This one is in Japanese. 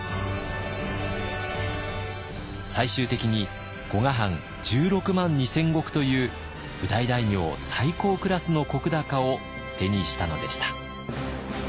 最終的に古河藩１６万２，０００石という譜代大名最高クラスの石高を手にしたのでした。